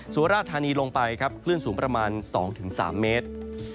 สุราธานีลงไปครับคลื่นสูงประมาณ๒๓เมตร